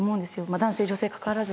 男性女性かかわらず。